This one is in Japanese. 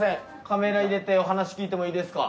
カメラ入れてお話聞いてもいいですか？